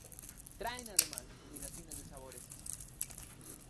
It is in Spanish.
Traen, además, combinaciones de sabores.